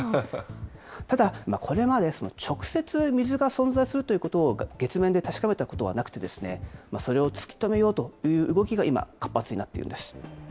ただ、これまで、直接、水が存在するということを月面で確かめたことはなくて、それを突き止めようという動きが今、活発になっているんです。